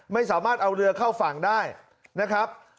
ไม่สามารถเอาเรือเข้าฝั่งได้นะครับ